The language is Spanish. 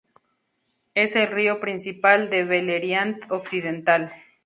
Es el río principal de Beleriand Occidental.